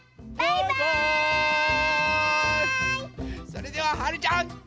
それでははるちゃんどうぞ！